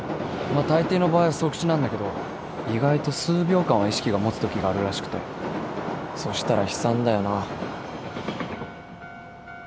まあたいていの場合即死なんだけど意外と数秒間は意識が持つときがあるらしくてそしたら悲惨だよな。